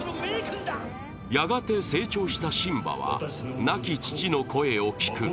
やがて成長したシンバは亡き父の声を聞く。